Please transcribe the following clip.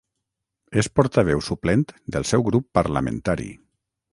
És portaveu suplent del seu grup parlamentari.